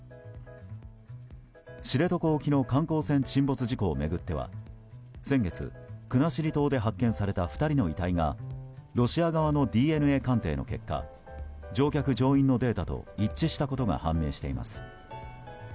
知床沖の観光船沈没事故を巡っては先月、国後島で発見された２人の遺体がロシア側のＤＮＡ鑑定の結果乗客・乗員のデータと一致したことが判明しています。